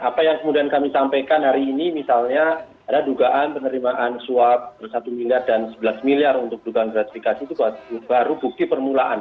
apa yang kemudian kami sampaikan hari ini misalnya ada dugaan penerimaan suap satu miliar dan sebelas miliar untuk dugaan gratifikasi itu baru bukti permulaan